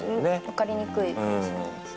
わかりにくいかもしれないですね。